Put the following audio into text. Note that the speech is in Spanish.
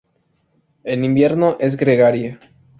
En invierno es gregaria.